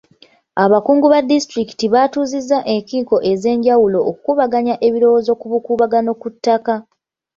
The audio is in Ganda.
Abakungu ba disitulikiti batuuzizza enkiiko ez'enjawulo okukubaganya ebirowoozo ku bukuubagano ku ttaka.